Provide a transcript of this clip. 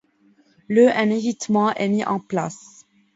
Le un évitement est mis en place.